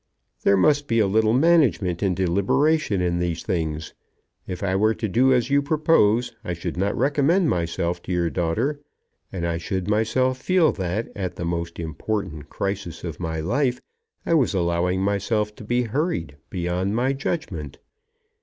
"There must be a little management and deliberation in these things. If I were to do as you propose, I should not recommend myself to your daughter; and I should myself feel that, at the most important crisis of my life, I was allowing myself to be hurried beyond my judgment."